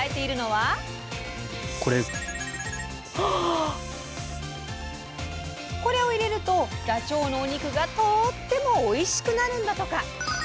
そしてこれを入れるとダチョウのお肉がとってもおいしくなるんだとか！